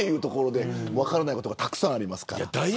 分からないことがたくさんあります。